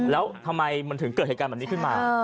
แล้วทำไมมันถึงเกิดเหตุการณ์แบบนี้ขึ้นมา